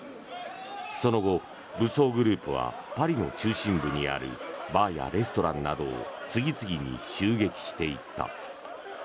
その後、武装グループはパリの中心部にあるバーやレストランなどを次々に襲撃していった。